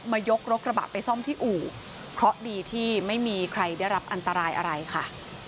ยกรถกระบะไปซ่อมที่อู่เพราะดีที่ไม่มีใครได้รับอันตรายอะไรค่ะ